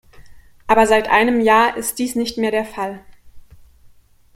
Aber seit einem Jahr ist dies nicht mehr der Fall.